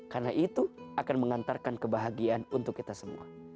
karena itu akan mengantarkan kebahagiaan untuk kita semua